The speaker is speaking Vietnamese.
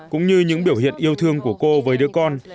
cũng như những biểu hiện yêu thương của cô với đứa con